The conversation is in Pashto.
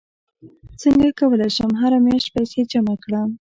څنګه کولی شم هره میاشت پیسې جمع کړم